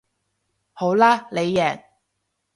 好啦你贏